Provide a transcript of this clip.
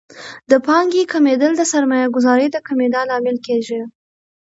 د پانګې کمیدل د سرمایه ګذارۍ د کمیدا لامل کیږي.